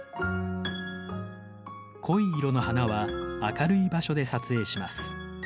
濃い色の花は明るい場所で撮影します。